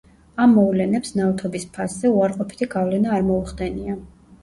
ამ მოვლენებს ნავთობის ფასზე უარყოფითი გავლენა არ მოუხდენია.